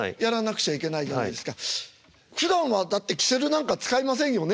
ふだんはだってきせるなんか使いませんよね。